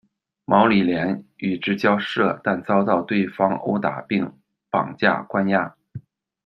毛礼联与之交涉，但遭到对方殴打并绑架关押。